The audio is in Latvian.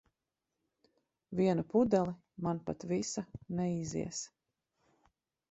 Vienu pudeli, man pat visa neizies.